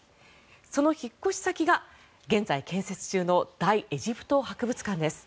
その引っ越し先が現在、建設中の大エジプト博物館です。